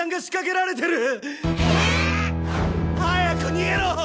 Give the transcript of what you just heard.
早く逃げろ！